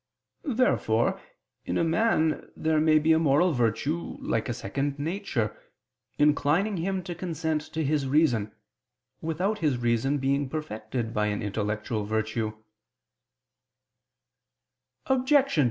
Therefore in a man there may be a moral virtue like a second nature, inclining him to consent to his reason, without his reason being perfected by an intellectual virtue.